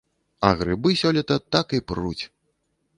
А грыбы сёлета так і пруць!